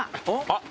あっ。